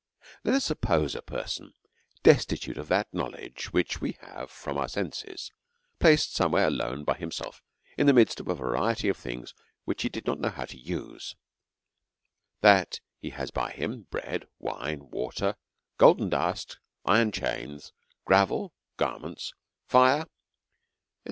Let us then suppose a person destitute of that knowledge which we have from our senses, placed somewhere by himself, in the midst of a variety of things which he did not know how to use ; that he has by him bread, wine, water, golden dust, iron chains, gravel, garments, fire, &c.